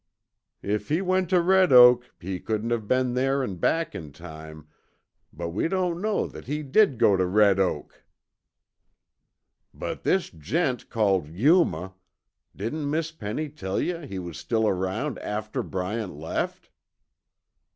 "If he went to Red Oak, he couldn't have been there and back in time, but we don't know that he did go to Red Oak." "But this gent called Yuma didn't Miss Penny tell yuh he was still around after Bryant left?"